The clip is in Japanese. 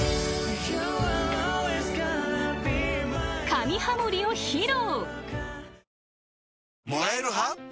［神ハモリを披露］